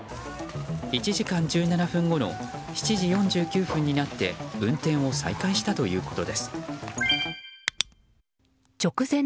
１時間１７分後の７時４９分になって運転を再開したということです。